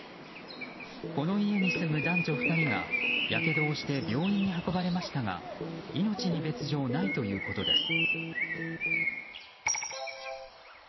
この家に住む男女２人がやけどをして病院に運ばれましたが命に別条ないということです。